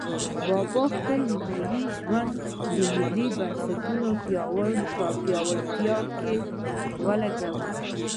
بابا خپل نیمایي ژوند د ملي بنسټونو پیاوړتیا کې ولګاوه.